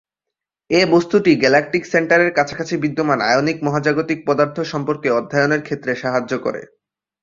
এই বস্তুটি গ্যালাকটিক সেন্টারের কাছাকাছি বিদ্যমান আয়নিক মহাজাগতিক পদার্থ সম্পর্কে অধ্যয়নের ক্ষেত্রে সাহায্য করে।